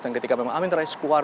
dan ketika amin rais keluar